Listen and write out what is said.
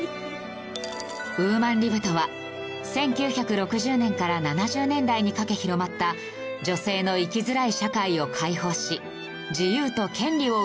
ウーマン・リブとは１９６０年から７０年代にかけ広まった女性の生きづらい社会を解放し自由と権利を訴えた運動の事。